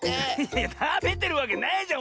いやたべてるわけないじゃん！